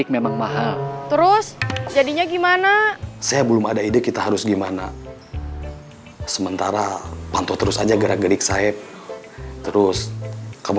kamu dendam sama orang yang nyopet kamu